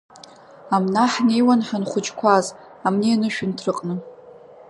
Амна ҳнеиуан ҳанхәыҷқәаз, амни анышәынҭраҟны.